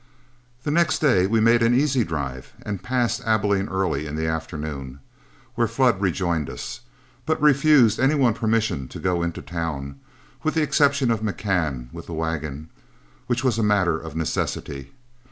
The next day we made an easy drive and passed Abilene early in the afternoon, where Flood rejoined us, but refused any one permission to go into town, with the exception of McCann with the wagon, which was a matter of necessity.